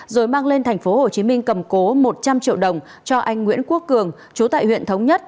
rồi mang lên tp hcm cầm cố một trăm linh triệu đồng cho anh nguyễn quốc cường chú tại huyện thống nhất